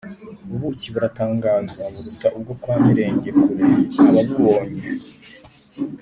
ubuki buratangaza buruta ubwo kwa Mirenge kure. Ababubonye